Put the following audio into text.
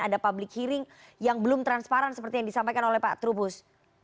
ada public hearing yang belum transparan seperti yang disampaikan oleh pak trubus